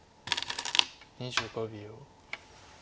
２５秒。